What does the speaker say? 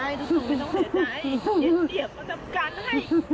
ไม่ต้องเสียใจทุก